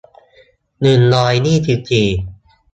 หนึ่งร้อยยี่สิบสี่